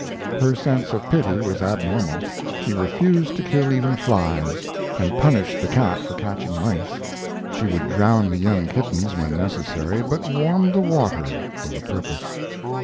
Her sense of pity was abnormal. She refused to kill even flies, and punished the cat for catching mice. She, would drown the young kittens, when necessary, but warmed the water for the purpose.